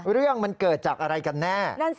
เรื่องมันเกิดจากอะไรกันแน่